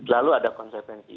lalu ada konsekuensi